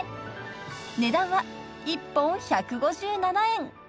［値段は１本１５７円］